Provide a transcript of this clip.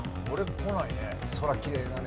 こないね。